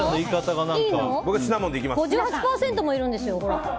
５８％もいるんですよ。